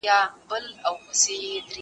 زه پاکوالي ساتلي دي!